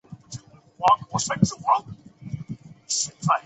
选管会将启德重新分划选区。